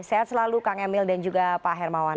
sehat selalu kang emil dan juga pak hermawan